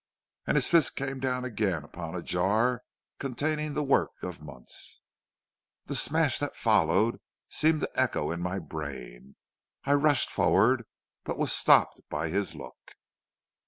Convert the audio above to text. And his fist came down again upon a jar containing the work of months. "The smash that followed seemed to echo in my brain. I rushed forward, but was stopped by his look.